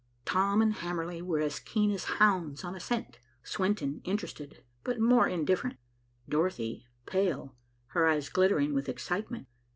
Tom and Hamerly were as keen as hounds on a scent, Swenton interested but more indifferent, Dorothy pale, her eyes glittering with excitement.